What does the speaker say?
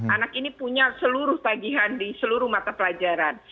anak ini punya seluruh tagihan di seluruh mata pelajaran